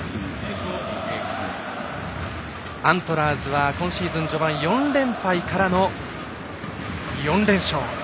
アントラーズは今シーズン序盤４連敗からの４連勝。